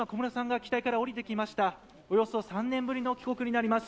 およそ３年ぶりの帰国になります。